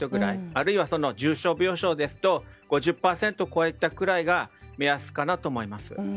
あるいは重症病床ですと５０％を超えたぐらいが目安かなと思います。